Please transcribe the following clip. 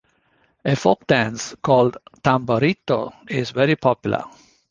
A folk dance, called "tamborito" is very popular.